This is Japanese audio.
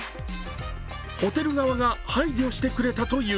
ホテル側が配慮してくれたという。